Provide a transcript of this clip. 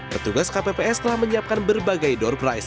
petugas kpps telah menyiapkan berbagai door price